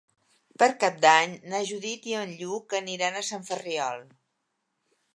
Per Cap d'Any na Judit i en Lluc aniran a Sant Ferriol.